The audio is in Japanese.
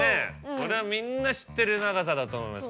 これはみんな知ってる長さだと思います